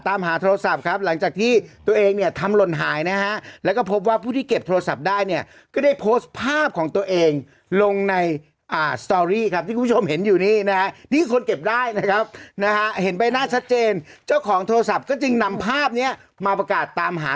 ตามหาโทรศัพท์ครับหลังจากที่ตัวเองเนี้ยทำหลนหายนะฮะ